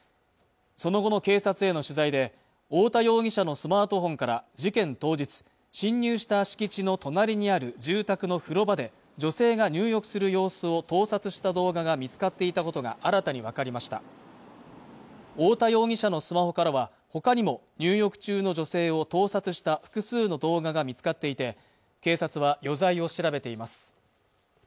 その後の警察への取材で太田容疑者のスマートフォンから事件当日侵入した敷地の隣にある住宅の風呂場で女性が入浴する様子を盗撮した動画が見つかっていたことが新たに分かりました太田容疑者のスマホからはほかにも入浴中の女性を盗撮した複数の動画が見つかっていて警察は余罪を調べています